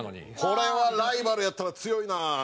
これはライバルやったら強いな。